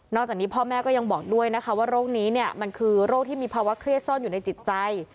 จากนี้พ่อแม่ก็ยังบอกด้วยนะคะว่าโรคนี้เนี่ยมันคือโรคที่มีภาวะเครียดซ่อนอยู่ในจิตใจ